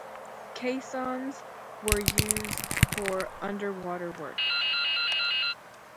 Caissons were used for underwater work.